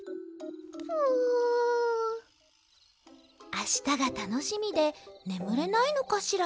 あしたがたのしみでねむれないのかしら？